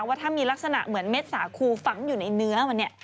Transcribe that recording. ว่าถ้ามีลักษณะเหมือนเม็ดสาคูฝังอยู่ในเนื้อมันเนี่ย